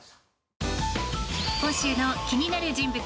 今週の気になる人物